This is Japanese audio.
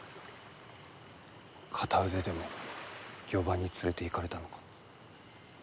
片腕でも漁場に連れて行かれたのか？